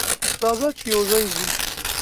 راځه چې یوځای ځو.